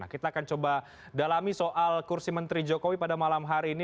kita akan coba dalami soal kursi menteri jokowi pada malam hari ini